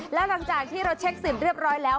และหลังจากที่เราเช็คสิทธิ์เรียบร้อยแล้ว